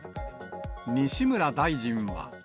西村大臣は。